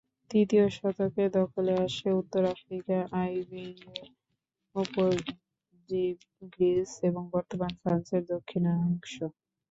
তৃতীয় শতকে দখলে আসে উত্তর আফ্রিকা, আইবেরীয় উপদ্বীপ, গ্রিস এবং বর্তমান ফ্রান্সের দক্ষিণাংশ।